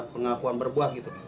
pengakuan berbuah gitu